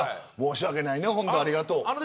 申し訳ないね、ありがとう。